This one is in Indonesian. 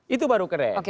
itu baru keren